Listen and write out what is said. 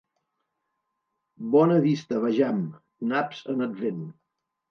Bona vista vejam, naps en Advent.